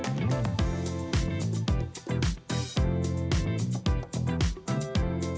aku gua demonstrated harus n nangis gara gara ya